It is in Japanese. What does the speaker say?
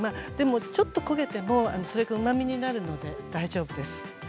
ちょっと焦げてもそれがうまみになるので大丈夫です。